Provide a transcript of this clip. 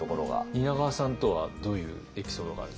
蜷川さんとはどういうエピソードがあるんですか？